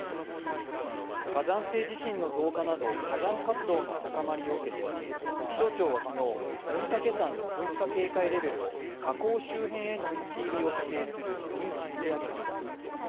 火山性地震の増加など、火山活動の高まりを受けて気象庁は昨日、御嶽山の噴火警戒レベルを火口周辺への立ち入りを規制する２に引き上げました。